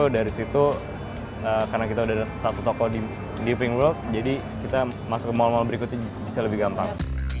dari situ karena kita udah satu toko di living world jadi kita masuk ke mall mall berikutnya bisa lebih gampang